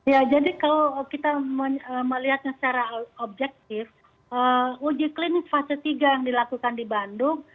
ya jadi kalau kita melihatnya secara objektif uji klinik fase tiga yang dilakukan di bandung